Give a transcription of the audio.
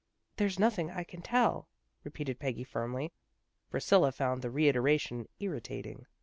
" There's nothing I can tell," repeated Peggy firmly. Priscilla found the reiteration irri tating.